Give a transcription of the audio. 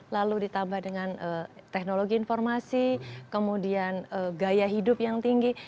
lalu ditambah dengan teknologi informasi kemudian gaya hidup yang tinggi